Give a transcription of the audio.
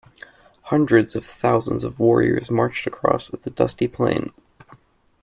Hundreds of thousands of warriors marched across the dusty plain.